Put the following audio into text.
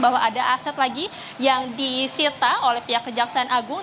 bahwa ada aset lagi yang disita oleh pihak kejaksaan agung